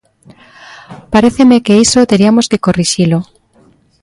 Paréceme que iso teriamos que corrixilo.